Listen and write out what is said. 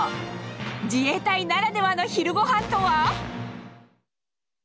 自衛隊ならではの昼ごはんとは？